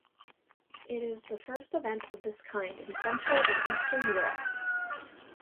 It is the first event of this kind in Central and Eastern Europe.